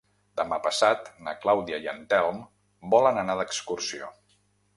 Demà passat na Clàudia i en Telm volen anar d'excursió.